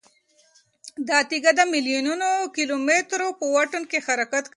دا تیږه د میلیونونو کیلومترو په واټن کې حرکت کوي.